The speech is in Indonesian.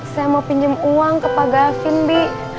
saya mau pinjem uang ke pak gavin bi